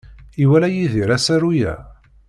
Iwala Yidir asaru-a?